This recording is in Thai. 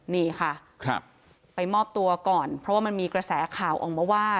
นี่ค่ะไปมอบตัวก่อนเพราะว่ามันมีกระแสข่าวออกมาว่า